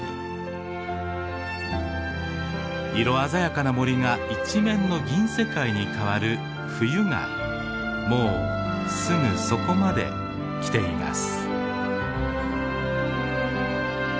色鮮やかな森が一面の銀世界に変わる冬がもうすぐそこまで来ています。